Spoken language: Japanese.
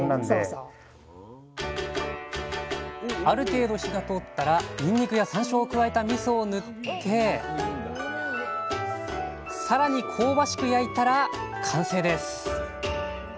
ある程度火が通ったらにんにくやさんしょうを加えたみそを塗ってさらに香ばしく焼いたら完成です